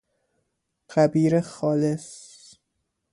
غبیر خالص